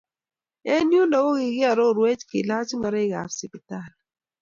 Eng yundo kokikiarorweech kelaach ingoroiikab sipitali.